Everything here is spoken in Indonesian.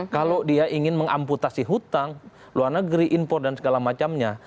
kalau dia ingin mengamputasi hutang luar negeri impor dan segala macamnya